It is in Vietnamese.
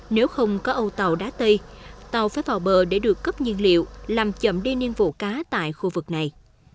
nếu không có âu tàu đá tây tàu phải vào bờ để được cấp nhiên liệu làm chậm đi niên vụ cá tại khu vực này